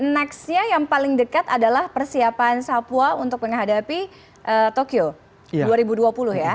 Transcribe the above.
nextnya yang paling dekat adalah persiapan sapua untuk menghadapi tokyo dua ribu dua puluh ya